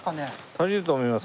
足りると思います。